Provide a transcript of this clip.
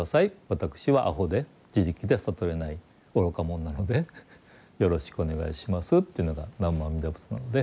私はアホで自力で悟れない愚か者なのでよろしくお願いしますというのが南無阿弥陀仏なので。